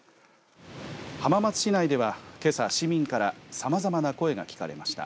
浜松市内では、けさ、市民からさまざまな声が聞かれました。